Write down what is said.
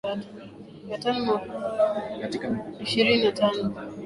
ya tano ingawa kuanzia mwaka mia tatu na ishirini na tano mitaguso